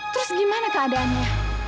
terus gimana keadaannya